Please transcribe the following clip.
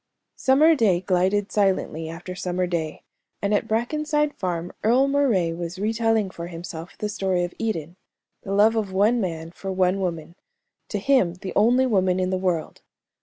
Summer day glided silently after summer day, and at Brackenside Farm Earle Moray was re telling for himself the story of Eden the love of one man for one woman, to him the only woman in the world.